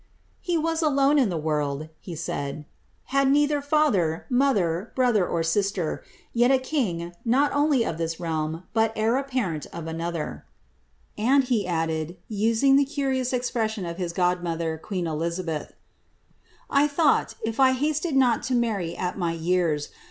" He was alone in the world," he said ;" had neither father, moilier, brother, or sister ; yet a king, not only of this realm, but heir apparetii of another," and he added, using ihe curious expression of hisgoduiniher. queen Elizabeth, " I thought, if I hasted noi to marry at my years.